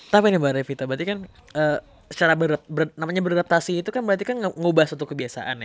tapi nih mbak revita berarti kan secara namanya beradaptasi itu kan berarti kan ngubah satu kebiasaan ya